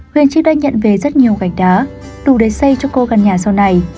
huyền chíp đã nhận về rất nhiều gạch đá đủ để xây cho cô gần nhà sau này